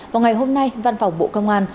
vào ngày hôm nay văn phòng bộ công an